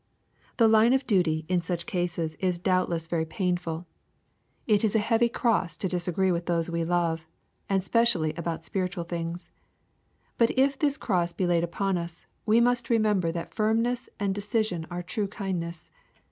The line of duty in such cases is doubtless very pain 168 EXPOSITORY THOUGHTS. ful. It is a heavy cross to disagree with those we lo7e, and specially about spiritual things. But if this cross be laid upon us, we must remember that firmness and decision are true kindness.